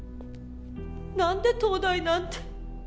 何で東大なんて